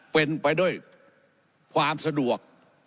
เป็นไปด้วยความสะดวก